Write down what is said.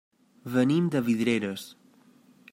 Venim de Vidreres.